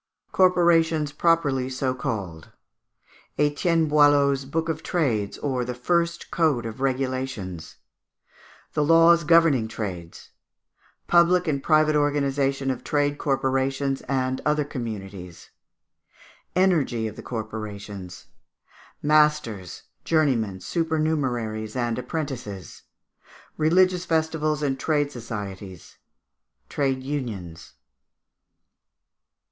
Corporations properly so called. Etienne Boileau's "Book of Trades," or the First Code of Regulations. The Laws governing Trades. Public and Private Organization of Trade Corporations and other Communities. Energy of the Corporations. Masters, Journeymen, Supernumeraries, and Apprentices. Religious Festivals and Trade Societies. Trade Unions.